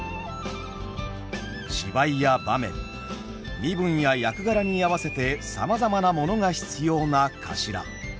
芝居や場面身分や役柄に合わせてさまざまなものが必要なかしら。